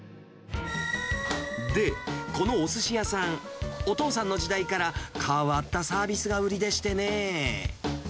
で、このおすし屋さん、お父さんの時代から変わったサービスが売りでしてね。